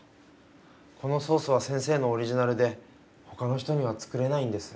このソースは先生のオリジナルでほかの人には作れないんです。